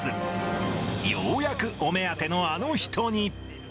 ようやくお目当てのあの人に。